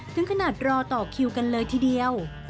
ถึงขนาดรอต่อคิวกันเลยทีเดียว